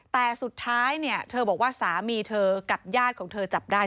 แต่สุดท้ายเนี่ยเธอบอกว่าสามีเธอกับญาติของเธอจับได้